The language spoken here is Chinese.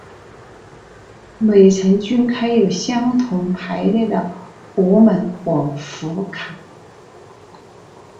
每层均开有相间排列的壸门或佛龛。